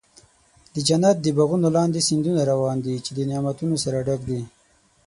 د جنت د باغونو لاندې سیندونه روان دي، چې د نعمتونو سره ډک دي.